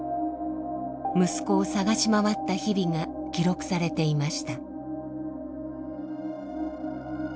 息子を捜し回った日々が記録されていました。